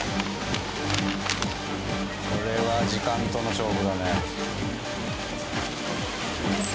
これは時間との勝負だね。